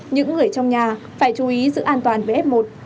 những người trong nhà phải chú ý giữ an toàn với f một